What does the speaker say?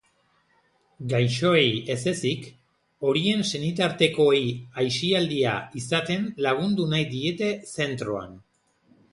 Gaixoei ez ezik, horien senitartekoei aisialdia izaten lagundu nahi diete zentroan.